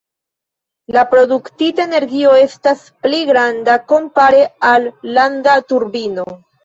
La produktita energio estas pli granda kompare al landa turbino.